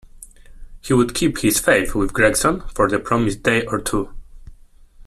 He would keep his faith with Gregson for the promised day or two.